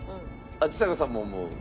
あっちさ子さんも思う？